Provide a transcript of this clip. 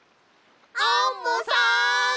アンモさん！